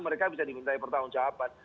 mereka bisa dimintai pertanggung jawaban